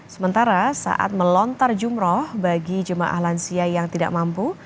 sementara saat melontar jumroh bagi jemaah lansia yang tidak mampu